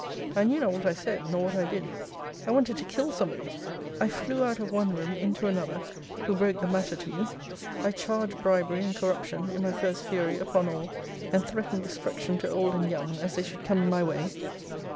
I knew not what I said, nor what I did. I wanted to kill somebody. I flew out of one room into another, who broke the matter to me. I charged bribery and corruption, in my first fury, upon all; and threatened destruction to old and young, as they should come in my way.